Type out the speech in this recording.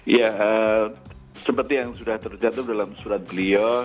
ya seperti yang sudah tercantum dalam surat beliau